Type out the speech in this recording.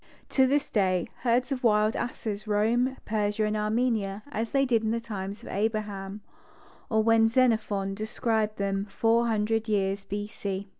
To this day, herds of wild asses roam Persia and Armenia as they did in the times of Abraham, or when Xenophon described them four hundred years B. C.